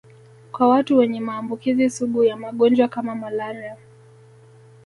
Kwa watu wenye maambukizi sugu ya magonjwa kama malaria